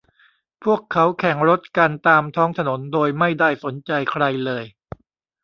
พวกเขาแข่งรถกันตามท้องถนนโดยไม่ได้สนใจใครเลย